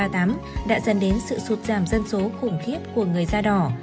đã dần đến sự sụt giảm dân số khủng khiếp của người da đỏ